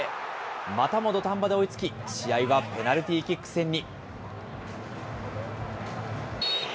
またも土壇場で追いつき、試合はペナルティーキック戦に。